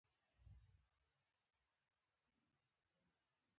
ګررر شو.